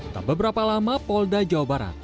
tak beberapa lama polda jawa barat